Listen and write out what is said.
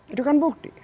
itu kan bukti